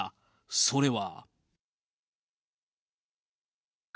それは。